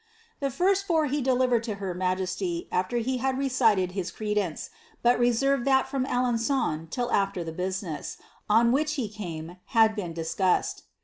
The first four he delivered to her majesty after he had recited his ere* deaoe, but reserved that from Alen9on till after the business, on which he came, had been discussed.